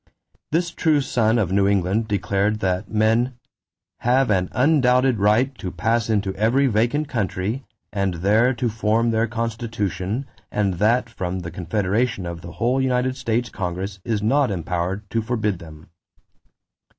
This true son of New England declared that men "have an undoubted right to pass into every vacant country and there to form their constitution and that from the confederation of the whole United States Congress is not empowered to forbid them."